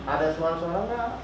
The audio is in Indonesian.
ada suara suara gak